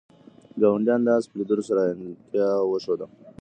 ګاونډیانو د آس په لیدلو سره حیرانتیا وښوده.